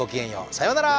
さようなら！